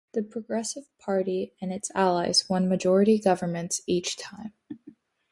The Progressive Party and its allies won majority governments each time.